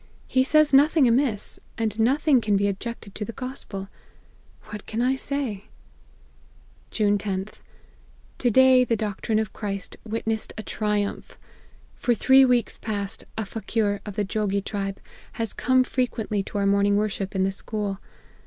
He says nothing amiss ; and nothing can be objected to the Gospel ; what can I say ?'" June 10th. To day the doctrine of Christ witnessed a triumph. For three weeks past, a fa queer, of the Jogi tribe, has come frequently to our morning worship, in the school.